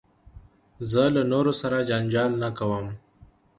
زه له نورو سره جنجال نه کوم.